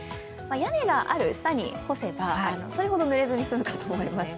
屋根がある、下にある干せばそれほどぬれずにすむかもしれないです。